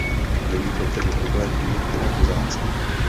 Není to tedy problém nikterak vzácný.